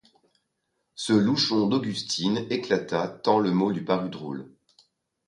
Ce louchon d'Augustine éclata, tant le mot lui parut drôle.